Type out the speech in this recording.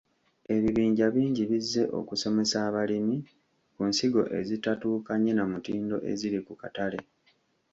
Ebibinja bingi bizze okusomesa abalimi ku nsigo ezitatuukanye na mutindo eziri ku katale.